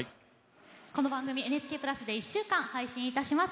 この番組ＮＨＫ＋で１週間配信いたします。